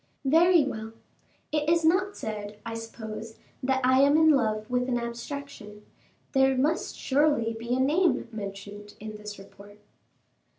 "Very well; it is not said, I suppose, that I am in love with an abstraction. There must surely be a name mentioned in this report."